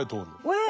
え！